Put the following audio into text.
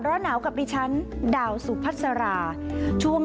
เบาเหน้ากับปีฉันดาวสุพัตย์สาราช่วง